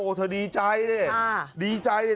โอ้เธอดีใจเนี่ยดีใจเนี่ย